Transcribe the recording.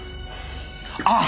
あっ！